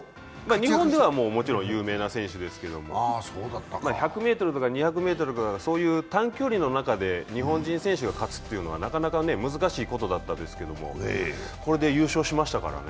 日本ではもちろん有名な選手ですけど１００ｍとか２００ｍとか、そういう短距離の中で、日本人選手が勝つというのは、なかなか難しいことだったですけど、これで優勝しましたからね。